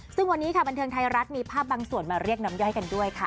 ซึ่งวันนี้ค่ะบันเทิงไทยรัฐมีภาพบางส่วนมาเรียกน้ำย่อยกันด้วยค่ะ